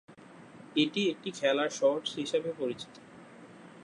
এটি একটি খেলার শর্টস হিসাবেও পরিচিত।